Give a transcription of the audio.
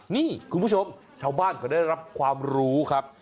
นี่คุณผู้ชมชาวบ้านเขาได้รับความรู้ครับ